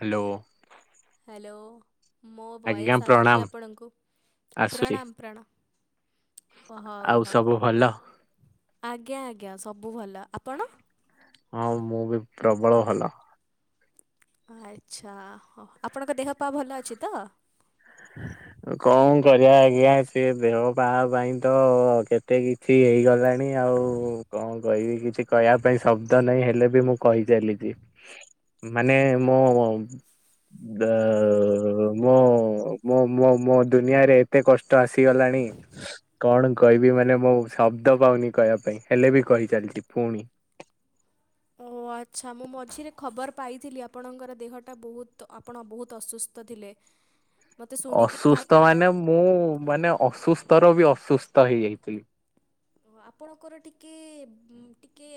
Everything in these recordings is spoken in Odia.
Hello hello. ମୋ ଆଜ୍ଞା ବୟେସ ଆସୁଛି ପ୍ରଣାମ ଆପଣଙ୍କୁ ଆସୁଛି ପ୍ରଣାମ ପ୍ରାଣାମ। ଓ ହଉ, ଆଉ ହଉ, ସବୁ ଭଲ? ଆଜ୍ଞା, ଆଜ୍ଞା, ସବୁ ଭଲ ଆପଣ? ହଁ ମୁଁ ବି ପ୍ରବଳ ଭଲ। ଆଚ୍ଛା, ହଉ ଆପଣଙ୍କ ଦେହ ପା ଭଲ ଅଛି ତ? କଣ କରିବା ଆଜ୍ଞା, ସେ ଦେହ ପାହା ପାଇଁ ତ କେତେ କିଛି ହେଇଗଲାଣି। ଆଉ କଣ କହିବି କିଛି କହିବା ପାଇଁ ଶବ୍ଦ ନାହିଁ, ହେଲେ ବି ମୁଁ କହିଚାଲିଛି। ମାନେ ମୋ, ଦା ମୋ, ମୋ ମୋ, ମୋ ଦୁନିଆରେ ଏତେ କଷ୍ଟ ଆସିଗଲାଣି। କଣ କହିବି ମାନେ ମୁଁ ଶବ୍ଦ ପାଉନି, କହିବା ପାଇଁ ହେଲେ ବି କହିଚାଲିଛି ପୁଣି। ଓ ଆଚ୍ଛା, ମୁଁ ମଝିରେ ଖବର ପାଇଥିଲି ଆପଣଙ୍କର ଦେହଟା ବହୁତ ଆପଣ ବହୁତ ଅସୁସ୍ଥ ଥିଲେ। ମୋତେ ଶୁଣିକି ଭାରି ଅସୁସ୍ଥ ଖରାପ ମାନେ ମୁଁ ମାନେ ଅସୁସ୍ଥ ର ବି ଅସୁସ୍ଥ ହେଇଯାଇଥିଲି। ଆପଣଙ୍କର ଟିକେ ଟିକେ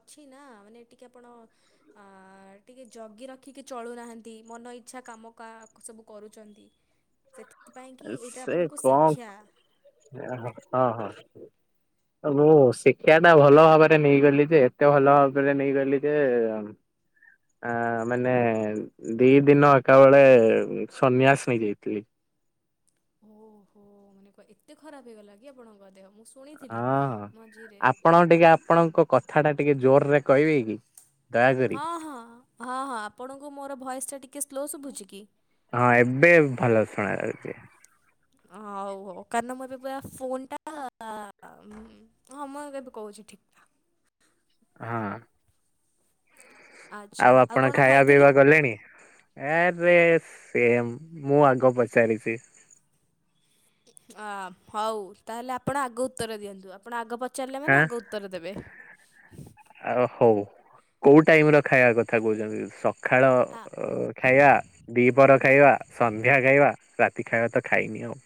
ଅଛି ନା ମାନେ ଟିକେ ଆପଣ ଆ ଟିକେ ଜଗି ରଖିକି ଚଳୁନାହାନ୍ତି, ମନ ଇଚ୍ଛା କାମ କା ସବୁ କରୁଛନ୍ତି। ସେଥିପାଇଁ କି ଏଇଟା ସେ ଆପଣଙ୍କୁ କଣ ଶିକ୍ଷା। ହଁ, ହଁ। ମୁଁ ଶିକ୍ଷା ଟା ଭଲ ଭାବରେ ନେଇଗଲି ଯେ, ଏତେ ଭଲ ଭାବରେ ନେଇଗଲି ଯେ ଆ ମାନେ ଦି ଦିନ ଏକା ବଳେ ସନ୍ୟାସ ନେଇଯାଇଥିଲି। ଓହୋ ମାନେ କ ଏତେ ଖରାପ ହେଇଗଲା କି ଆପଣଙ୍କ ଦେହ ମୁଁ ସୁ ହଁ ହଁ ଆପଣ ଟିକେ ଆପଣଙ୍କ କଥା ଟା ଟିକେ ଜୋରରେ କହିବେ କି? ଦୟାକରି ହଁ, ହଁ, ହଁ, ହଁ, ଆପଣଙ୍କୁ ମୋର ଭୟସ ଟା ଟିକେ ସ୍ଲୋ ଶୁଭୁଛି କି? ହଁ ଏବେ ଭଲ ଶୁଣାଯାଉଛି। ହଉ ହଉ କାରଣ ମୁଁ ଏବେ ପ ଫୋନ ଟା ହଁ ମୁଁ ଏବେ କହୁଛି ଠିକ୍ ଠାକ୍ ହଁ। ଆଚ୍ଛା ଆଉ ଆପଣ କଣ ଖାଇବା ଖାଇଥିଲେ? ପିଇବା କଲେଣି? ଆରେ ସେମ ମୁଁ ଆଗ ପଚାରିଛି। ଅ ହଉ ତାହେଲେ ଆପଣ ଆଗ ଉତ୍ତର ଦିଅନ୍ତୁ ଆପଣ ଆଗ ପଚାରିଲେ ହାଁ। ମାନେ ଆଗ ଉତ୍ତର ଦେବେ। ଆଉ ହଉ କୋଉ ଟାଇମ ର ଖାଇବା କଥା କହୁଛନ୍ତି? ସଖାଳ ଆ ଖାଇବା, ଦିପର ଖାଇବା, ସନ୍ଧ୍ୟା ଖାଇବା। ରାତି ଖାଇବା ତ ଖାଇନି ଆଉ।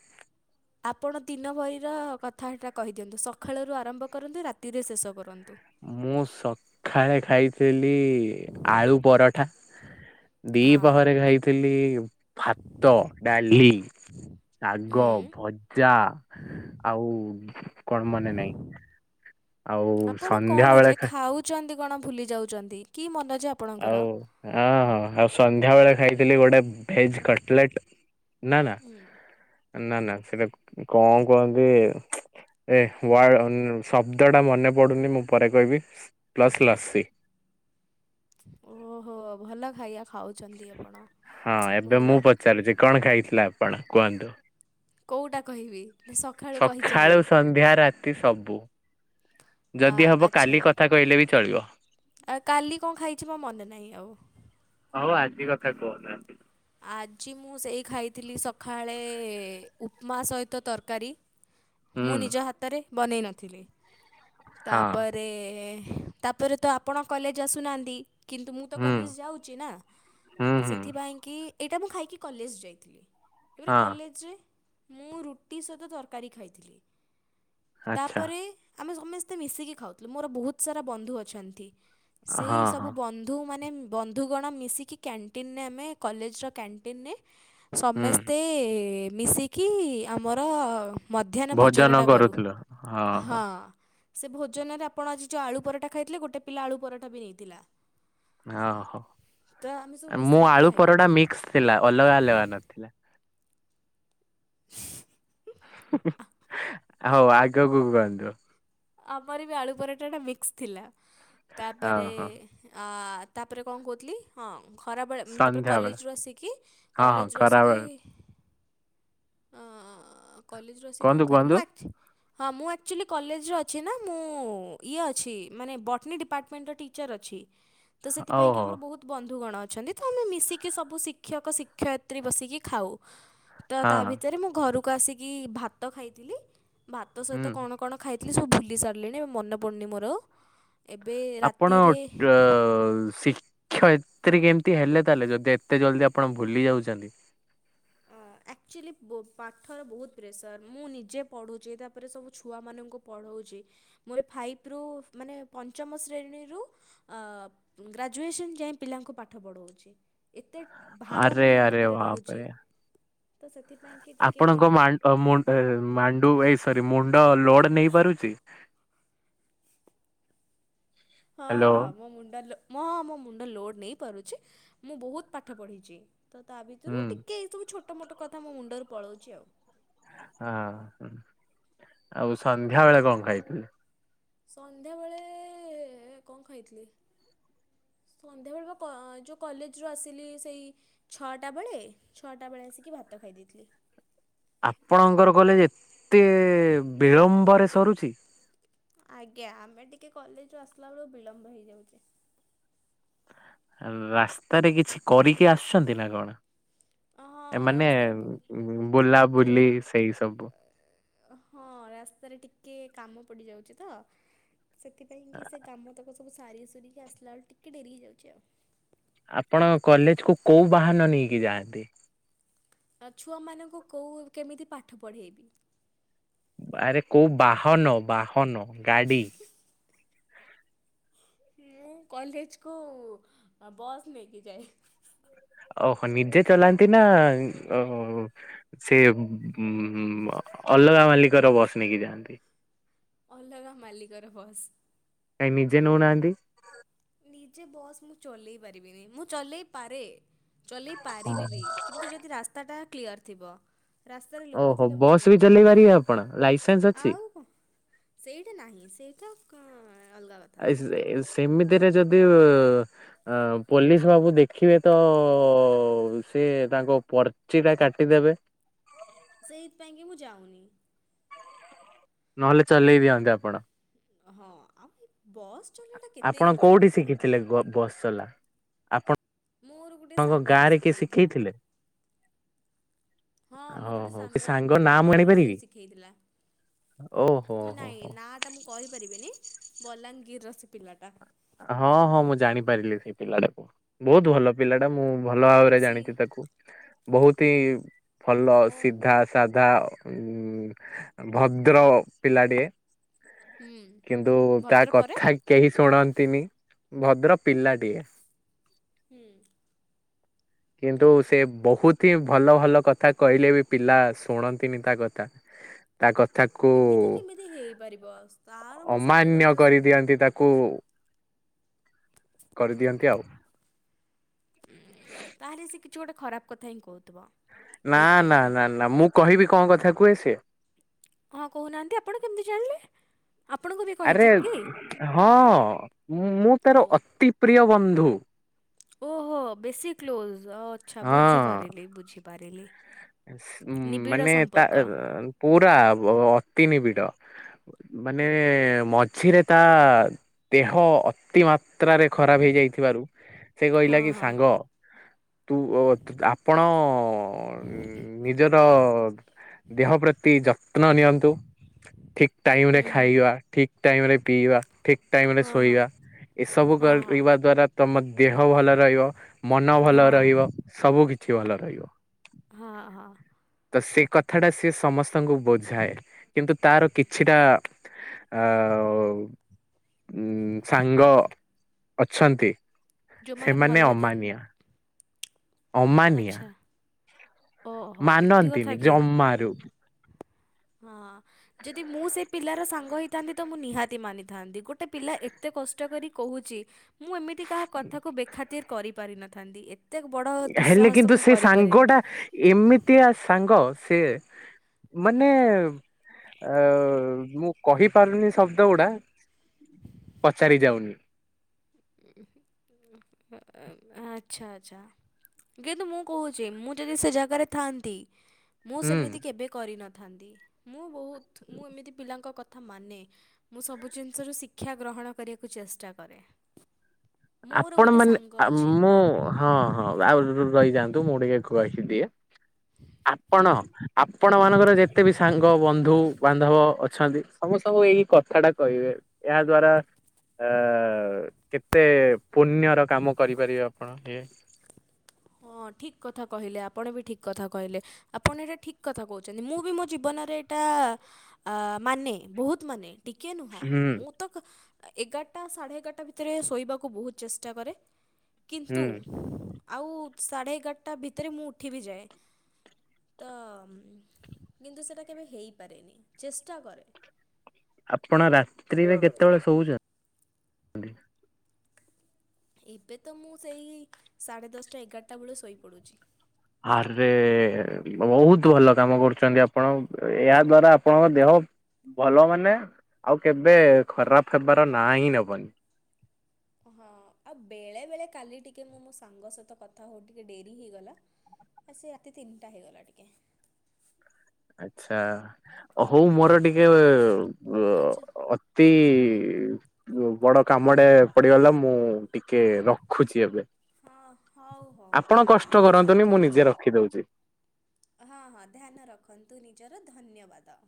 ଆପଣ ଦିନ ଭରିର କଥାଟା କହିଦିଅନ୍ତୁ, ସକାଳରୁ ଆରମ୍ଭ କରନ୍ତୁ ରାତିରେ ଶେଷ କରନ୍ତୁ। ମୁଁ ସକାଳେ ଖାଇଥିଲି ଆଳୁ ପରଠା, ହଁ ଦିପହରେ ଖାଇଥିଲି ଭାତ, ଡାଲି, ଶାଗ ଭ ଯା, ଆଉ କଣ ମନେ ନାଇଁ। ଆପଣ କଣ ବେଳେ ଯେ ଖା ଖାଉଛନ୍ତି କଣ ଭୁଲି ଯାଉଛନ୍ତି କି ମନ ଯେ ଆପଣଙ୍କର? ଆଉ ହଁ, ହଁ ଆଉ ସନ୍ଧ୍ୟା ବେଳେ ଖାଇଥିଲି ଗୋଟେ ଭେଜ କଟଲେଟ ନା ନା ନା ନା ସେଇଟା କଣ କୁହନ୍ତି? ଏ ୱା ଶବ୍ଦ ଟା ମନେ ପଡୁନି, ମୁଁ ପରେ କହିବି ପ୍ଲସ୍ ଲସି। ଓହୋ ଭଲ ଖାଇବା ଖାଉଛନ୍ତି ଆପଣ। ହଁ ଏବେ ଭଲ ମୁଁ ପଚାରୁୁଛି କଣ ଖାଇଥିଲେ ଆପଣ କୁହନ୍ତୁ? କୋଉଟା କହିବି ସ ସକାଳୁ ସନ୍ଧ୍ୟା ରାତି ସବୁ। ଆ ଯଦି ହବ ଆଚ୍ଛା କାଲି କଥା କହିଲେ ବି ଚଳିବ। ଆ କାଲି କଣ ଖାଇଛି ମୋ ମନେ ନାହିଁ ଆଉ। ହଉ ଆଜି ବି କଥା କୁହନ୍ତୁ। ଆଜି ମୁଁ ସେଇ ଖାଇଥିଲି ସକାଳେ ଉପମା ସହିତ ତରକାରୀ। ମୁଁ ହୁଁ ନିଜ ହାତରେ ବନେଇ ନଥିଲି ହଁ ତାପରେ ତା ପରେ ତ ଆପଣ କଲେଜ ଆସୁନାହାଁନ୍ତି। କିନ୍ତୁ ମୁଁ ତ ହୁଁ କଲେଜ ଯାଉଛି ନା ହୁଁ ତ ହୁଁ ସେଥିପାଇଁ କି ଏଇଟା ମୁଁ ଖାଇକି କଲେଜ ଯାଇଥିଲି ସେ ହଁ କଲେଜରେ ମୁଁ ରୁଟି ସହିତ ତରକାରୀ ଖାଇଥିଲି ଆଚ୍ଛା ତାପରେ ଆମେ ସମସ୍ତେ ମିଶିକି ଖାଉଥିଲୁ ମୋର ବହୁତ ସାରା ବନ୍ଧୁ ଅଛନ୍ତି। ସେଇ ହଁ ସବୁ ହଁ। ବନ୍ଧୁ ମାନେ ବନ୍ଧୁଗଣ ମିଶିକି କ୍ୟାଣ୍ଟିନରେ ଆମେ କଲେଜର କ୍ୟାଣ୍ଟିନେ ହୁଁ ସମସ୍ତେ ମିଶିକି କି ଆମର ମଧ୍ୟାହ୍ନ ଭୋଜନଟା କରୁ ହଁ। ସେ ଭୋନରେ ଆପଣ ଆଜି ଯେଉଁ ଆଳୁ ପରଠା ଖାଇଥିଲେ ଗୋଟେ ପିଲା ଆଳୁ ପରଠା ବି ନେଇଥିଲା। ହଁ ହୋ ତ ଆମେ ସବୁ ମୁଁ ମିଶିକି ଆଳୁ ଖାଇଲୁ। ପରଡା ମିକ୍ସ ଥିଲା ଅଲଗା ଅଲଗା ନଥିଲା। ହଁ ହଉ ଆଗକୁ କୁହନ୍ତୁ? ଆମର ବି ଆଳୁ ପରଟାଟା ମିକ୍ସ ଥିଲା ହଁ ତାପରେ ହଁ ଅ ତାପରେ କଣ କହୁଥିଲି ହଁ ଖରାବେଳେ ତାପରେ ସନ୍ଧ୍ୟାବେଳେ କଲେଜରୁୁ ଆସିକି ହଁ ହଁ କଲେଜରୁୁ ଆସିକି ଖରାବେଳେ କଲେଜୁ ଆସି କଣ କୁହନ୍ତୁ ଖାଏ କୁହନ୍ତୁ ମୁ ଆକଚ ହଁ ମୁଁ ଆଚୁଲି କଲେଜରେ ଅଛି। ଅଛି ନା ମୁଁ ଇଏ ଅଛି ମାନେ ବଟନୀ ଡିପାର୍ଟମେଣ୍ଟର ଟିଚର୍ ଅଛି। ତ ହଉ ସେଥିପାଇଁ କି ହଉ ଆମର ବହୁତ ବନ୍ଧୁଗଣ ଅଛନ୍ତି ତ ଆମେ ମିଶିକି ସବୁ ଶିକ୍ଷକ ଶିକ୍ଷୟିତ୍ରୀ ବସିକି ଖାଉ। ତ ହଁ ତା ଭିତରେ ମୁଁ ଘରକୁ ଆସିକି ଭାତ ଖାଇଥିଲି ଭାତ ସହିତ ହୁଁ କଣ କଣ ଖାଇଥିଲି ସବୁ ଭୁଲି ସାରିଲିଣି ଏବେ ମନେ ପଡ଼ୁନି ମୋର ଆଉ। ଏବେ ଆପଣ ଡ଼ ସି [unintelligible] ଏତିରେ କି କେମିତି ହେଲେ ତାହେଲେ ଯଦି ଏତେ ଜଲ୍ଦି ଆପଣ ଭୁଲି ଯାଉଛନ୍ତି। ଆକ୍ଚୁଆଲି ପାଠର ବହୁତ ପ୍ରେସର ମୁଁ ନିଜେ ପଢ଼ୁଛି ତା ପରେ ସବୁ ଛୁଆମାନଙ୍କୁ ପଢ଼ଉଛି ମୋର ଏ ଫାଇପ୍ ରୁ ମାନେ ପଞ୍ଚମ ଶ୍ରେଣୀରୁ ଗ୍ରାଜୁଏସନ୍ ଯାଇ ପିଲାଙ୍କୁ ପାଠ ପଢ଼ଉଛି ଏତେ ଭାର ଆରେ ମୋ ଆରେ ମୁଣ୍ଡରେ ରହୁଛି ବାପରେ ତ ସେଥିପାଇଁ କି ଆପଣଙ୍କ ମା ମୁ ଏଁ ମାଣ୍ଡୁ ଏ ସରି ମୁଣ୍ଡ ଲୋଡ ନେଇ ପାରୁଛି? ହଁ ହ୍ୟାଲୋ ହଁ ମୋ ମୁଣ୍ଡ ଲୋ ମଁ ହଁ ମୋ ମୁଣ୍ଡ ଲୋଡ଼୍ ନେଇ ପାରୁଛି ମୁଁ ବହୁତ ପାଠ ପଢ଼ିଛି। ତ ତା ହୁଁ ଭିତରୁ ଟିକେ ଏଇ ସବୁ ଛୋଟ ମୋଟ କଥା ମୋ ମୁଣ୍ଡରୁ ପଳଉଛି ଆଉ। ହଁ ଆଉ ସନ୍ଧ୍ୟା ବେଳେ କଣ ଖାଇଥିଲେ? ସନ୍ଧ୍ୟାବେଳେ କଣ ଖାଇଥିଲି ସନ୍ଧ୍ୟାବେଳେ ବା ମୁଁ ଯୋଉ କଲେଜରୁ ଆସିଲି ସେଇ ଛଅଟା ବେଳେ ଛଅଟା ବେଳେ ଆସିକି ଭାତ ଖାଇ ଦେଇଥିଲି। ଆପଣଙ୍କର କଲେଜ ଏତେ ବିଳମ୍ବରେ ସରୁଛି? ଆଜ୍ଞା ଆମେ ଟିକେ କଲେଜରୁ ଆସିଲା ବେଳକୁ ବିଳମ୍ବ ହେଇଯାଉଛି। ରାସ୍ତାରେ କିଛି କରିକି ଆସୁଛନ୍ତି ନା କଣ? ଏ ହଁ ମାନେ ରାସ୍ତାରେ ବହୁତ ବୁଲାବୁଲି ବହୁତ ସେଇ ସବୁ ହଁ ରାସ୍ତାରେ ଟିକେ କାମ ପଡ଼ିଯାଉଛି ତ ସେଥିପାଇଁ କିି ସେ କାମ ତକ ସବୁ ସାରି ସିକି ଆସିଲା ବେଳେ ଟିକେ ଡେରି ହେଇଯାଉଛି ଆଉ। ଆପଣ କଲେଜ କୁ କୋଉ ବାହାନ ନେଇକି ଯାଆନ୍ତି? ଆ ଛୁଆମାନଙ୍କୁ କୋଉ କେମିତି ପାଠ ପଢ଼େଇବି? ଆରେ କୋଉ ବାହନ ବାହନ ଗାଡି ମୁଁ କଲେଜକୁ ବସ୍ ନେଇକି ଯାଏ। ଓହୋ ନିଜେ ଚଲାନ୍ତି ନା ଅ ସେ ହୁଁ ହୁଁ ଅଲଗା ମାଲିକର ବସ୍ ନେଇକି ଯାଆନ୍ତି। ଅଲଗା ମାଲିକର ବସ୍ କାଇଁ ନିଜେ ନଉନାହାନ୍ତି? ନିଜେ ବସ୍ ମୁଁ ଚଲେଇ ପାରିବିନି ମୁଁ ଚଲେଇ ପାରେ ଚଲେଇ ହଁ। ପାରିବି ବି କିନ୍ତୁ ଯଦି ରାସ୍ତାଟା କ୍ଲିୟର ଥିବ। ରାସ୍ତାରେ ଲୋକ ଓହୋ ଥିଲେ ମୁଁ ବସ୍ ବି ଚଲେଇ ପାରିବିନି ପାରିବେ ଆପଣ ଲାଇସେନ୍ସ ଅଛି? ଆଉ କଣ? ସେଇଟା ନାହିଁ ସେଇଟା ଅଲଗା କଥା ଆ ସେମିତିରେ ଯଦି ଆ ପୋଲିସ ବାବୁ ଦେଖିବେ ତ ସି ତାଙ୍କ ପର୍ଚିଟା କାଟିଦେବେ। ସେଇଥି ପାଇଁ କି ମୁଁ ଯାଉନି? ନହେଲେ ଚଲେଇ ଦିଅନ୍ତେ ଆପଣ? ହଁ ଆଉ ଏ ବସ୍ ଚଲେଇବାଟା କେତେ ଆପଣ ହିଁ ବଡ଼ କୋଉଠି କଥା। ଶିଖିଥିଲେ ବସ ଚଲା ଆପଣ ମୋର ଗୋଟେ ସାଙ୍ଗଟେ ଶିଖେଇଥିଲା। ଶିଖେଇଥିଲେ? ହଁ ମୋର ଗୋଟେ ଓହୋ ସେ ସାଙ୍ଗ ନାଁ ମୁଁ ବଲାଙ୍ଗୀର ର ସେ ଜାଣିପାରିବି? ଶିଖାଇଥିଲା। ଓହୋ ହୋ ନାଇଁ ହୋ। ନା ଟା ମୁଁ କହିପାରିବିନିନି ବଲାଙ୍ଗୀର ର ସେ ପିଲା ଟା? ହଁ ହଁ ମୁଁ ଜାଣିପାରିଲି ସେଇ ପିଲାଟାକୁ ବହୁତ ଭଲ ପିଲାଟା ମୁଁ ଭଲ ଉଁ, ଭାବରେ ସି ଜାଣିଛି ତାକୁ ବହୁତ ହିଁ ଭଲ ଓ ସିଧା ସାଧା ଭଦ୍ର ପିଲାଟିଏ। ହୁଁ କିନ୍ତୁ ତା ଭଦ୍ର ପରେ? କଥା କେହି ଶୁଣନ୍ତିନି ଭଦ୍ର ପିଲାଟିଏ। [inaudible] କିନ୍ତୁ ସେ ବହୁତ ହିଁ ଭଲ ଭଲ କଥା କହିଲେ ବି ପିଲା ଶୁଣନ୍ତିନି ତା କଥା। [unintelligible] ତା କଥାକୁ ଏମିତି କେମିତି ହେଇପାରିବ ତାର ମୁଁ ସବୁ ଅମାନ୍ୟ କଥା ଶୁଣେ। କରିଦିଅନ୍ତି ତାକୁ କରିଦିଅନ୍ତି ଆଉ। ତାହେଲେ ସେ କିଛି ଗୋଟେ ଖରାପ କଥା ହିଁ କହୁଥିବ। ନା ନା ସେଇଥିପାଇଁକି ନା ନା ମୁଁ କହିବି କଣ କଥା କୁହେ ସେ। ହଁ କହୁନାହାନ୍ତି ଆପଣ କେମିତି ଜାଣିଲେ। ଆପଣଙ୍କୁ ବି ଆରେ କହିଛି କି? ହଁ ମୁଁ ଓ ତାର ଅତି ପ୍ରିୟ ବନ୍ଧୁ। ଓହୋ ବେଶୀ କ୍ଲୋଜ ଅ ଆଛା ବୁଝିପାରିଲି ବୁଝିପାରିଲି। ଉ ନିବିଡ଼ ମାନେ ତା ସମ୍ପର୍କ ପୁରା ବ ଅତି ନିବିଡ ମାନେ ମ ଝିରେ ତା ଦେହ ଅତି ମା ତ୍ରାରେ ଖରାପ ହେଇଯାଇଥିବାରୁ ସେ ହଁ କହିଲା କି ହଁ। ସାଙ୍ଗ ତୁ ଅ ଆପଣ ନିଜର ଦେହ ପ୍ରତି ଯତ୍ନ ନିଅନ୍ତୁ। ଠିକ ଟାଇମ ରେ ଖାଇବା ଠିକ ଟାଇମରେ ପିଇବା। ଠିକ ଟାଇମ ରେ ହଁ ହଁ ଶୋଇବା ଏସବୁ ହଁ ହଁ କରିବା ଦ୍ଵାରା ତମ ଦେହ ଭଲ ରହିବ। ମନ ହଁ ଭଲ ରହିବ ସବୁକିଛି ଭଲ ରହିବ। ହଁ ହଁ। ତ ସେ କଥା ଟା ସିଏ ସମସ୍ତଙ୍କୁ ବୁଝାଏ କିନ୍ତୁ ତାର କିଛିଟା ଆ ଉ ଉଁ ସାଙ୍ଗ ଅଛନ୍ତି। ଯୋଉମାନେ ସେମାନେ ଭଲ ଜିନ୍ ଅମାନିଆ। ଅମାନିଆ। ଆଚ୍ଛା ଓହୋ ଏମିତି ମାନନ୍ତିନି କଥା କି ଜମାରୁ ହଁ। ଯଦି ମୁଁ ସେ ପିଲାର ସାଙ୍ଗ ହୋଇଥାନ୍ତି ତ ମୁଁ ନିହାତି ମାନିଥାନ୍ତି ଗୋଟିେ ପିଲା ଏତେ କଷ୍ଟ କରି କହୁଛି। ମୁଁ ଏମିତି କାହା କଥାକୁ ବେଖାତିର କରିପାରିିନଥାନ୍ତି ଏ ଏତେ ବଡ଼ ହେଲେ ଦୁଃସାହସ କିନ୍ତୁ ମୁଁ ସେ କରିପାରେନି। ସାଙ୍ଗଟା ଏମିତିଆ ସାଙ୍ଗ ସେ ମାନେ ଅ ମୁଁ କହି ପାରୁନି ଶବ୍ଦ ଗୁଡା ପଚାରି ଯାଉନି। ଆଚ୍ଛା ଆଚ୍ଛା। କିନ୍ତୁ ମୁଁ କହୁଛି ମୁଁ ଯଦି ସେ ଜାଗାରେ ଥାଆନ୍ତି। ମୁଁ ହୁଁ। ସେମିତି କେବେ କରିନଥାନ୍ତି ମୁଁ ବହୁତ ମୁଁ ଏମିତି ପିଲାଙ୍କ କ ଥା ମାନେ ମୁଁ ସବୁ ଜିନିଷରୁ ଶିକ୍ଷା ଗ୍ରହଣ କରିବାକୁ ଚେଷ୍ଟା କରେ। ମୋର ଆପଣ ଗୋଟେ ମାନେ ସାଙ୍ଗ ଆ ଅଛି ମୁଁ ହଁ ହଁ ଆଉ ରହିଯାଆନ୍ତୁ ମୁଁ ଟିକେ କୁଆଖି ଦିଏ ଆପଣ ଆପଣ ମାନଙ୍କର ଯେତେ ବି ସାଙ୍ଗ ବନ୍ଧୁ ବାନ୍ଧବ ଅ ଛନ୍ତି ସମସ୍ତଙ୍କୁ ଏଇ କଥା ଟା କହିବେ ଏହା ଦ୍ଵାରା ଆ କେତେ ପୁଣ୍ୟର କାମ କରିପାରିବେ ଆପଣ ଇଏ। ହଁ ଠିକ୍ କଥା କହିଲେ ଆପଣ ବି ଠିକ୍ କଥା କହିଲେ। ଆପଣ ଏଇଟା ଠିକ କଥା କହୁଛନ୍ତି ମୁଁ ବି ମୋ ଜୀବନରେ ଏଇଟା ଅ ମାନେ ବହୁତ ମାନେ ଟିକେ ନୁହଁ ହୁଁ ମୁଁ ତ ଏଗାରଟା ସାଢେ ଏଗାରଟା ଭିତରେ ଶୋଇବାକୁ ବହୁତ ଚେଷ୍ଟା କରେ। କିନ୍ତୁ ହୁଁ ଆଉ ସାଢ଼େ ଏଗାରଟା ଭିତରେ ମୁଁ ଉଠି ବିି ଯାଏ। ତ କିନ୍ତୁ ସେଇଟା କେବେ ହେଇପାରେନି ଚେଷ୍ଟା କରେ। ଆପଣ ରାତ୍ରିରେ କେତେବେଳେ ଶୋଉଛନ୍ତି। ଏବେ ତ ମୁଁ ସେଇ ସାଢ଼େ ଦଶଟା ଏଗାରଟା ବେଳେ ଶୋଇପଡ଼ୁଛି। ଆରେ ବହୁତ ଭଲ କାମ କରୁଛନ୍ତି ଆପଣ ଏହା ଦ୍ଵାରା ଆପଣଙ୍କ ଦେହ ଭଲ ମାନେ ଆଉ କେବେ ଖରାପ ହେବାର ନାଁ ହିଁ ନବନି। ହଁ ଆଉ ବେଳେ ବେଳେ କାଲି ଟିକେ ମୁଁ ମୋ ସାଙ୍ଗ ସହିତ କଥା ହଉ ଟିକେ ଡେରି ହେଇଗଲା ଆ ସେ ରାତି ତିନିଟା ହେଇଗଲା ଟିକେ ଆଛା ହଉ ମୋର ଟିକେ ଅ ଆଚ୍ଛା। ଅତି ହୁଁ ହୁଁ ବଡ କାମଡେ ପଡିଗଲା ମୁଁ ଟିକେ ରଖୁଛି ଏବେ ହଁ ହଉ ହଉ ଆପଣ କଷ୍ଟ ଧ୍ୟାନ କରନ୍ତୁନି ମୁଁ ରଖନ୍ତୁ ନିଜେ ନିଜ ରଖିଦଉଛି ହଁ ହଁ ଧ୍ୟାନ ରଖନ୍ତୁ ନିଜର ଧନ୍ୟବାଦ